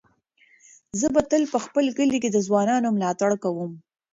زه به تل په خپل کلي کې د ځوانانو ملاتړ کوم.